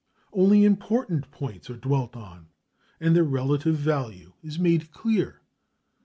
Only important points are dwelt on, and their relative value is made clear.